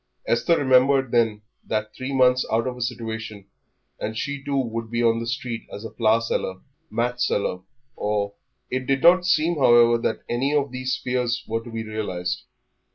Esther remembered then that three months out of a situation and she too would be on the street as a flower seller, match seller, or It did not seem, however, that any of these fears were to be realised.